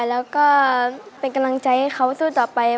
แล้วก็เป็นกำลังใจให้เขาสู้ต่อไป